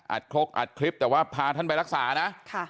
ครกอัดคลิปแต่ว่าพาท่านไปรักษานะ